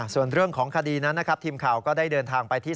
ส่วนเรื่องของคดีนั้นนะครับทีมข่าวก็ได้เดินทางไปที่